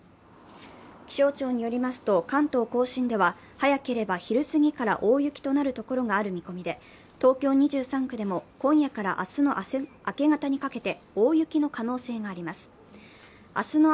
気象庁によりますと、関東甲信では早ければ昼過ぎから大雪となる所がある見込みで東京２３区でも今夜から明日の明け方にかけて大雪の可能性があります。